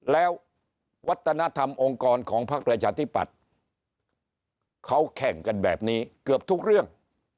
แล้ววัฒนธรรมองค์กรของพักประชาธิปัตย์เขาแข่งกันแบบนี้เกือบทุกเรื่อง